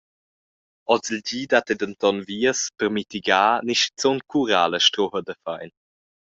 Ozilgi dat ei denton vias per mitigar ni schizun curar la struha da fein.